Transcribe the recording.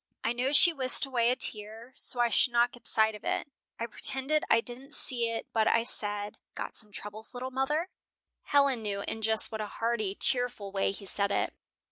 I know she whisked away a tear so I should not get sight of it. I pretended I didn't see it but I said, 'Got some troubles, little mother?'" Helen knew in just what a hearty, cheerful way he said it.